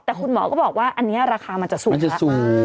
แต่คุณหมอก็บอกว่าอันนี้ราคามันจะสูงแล้ว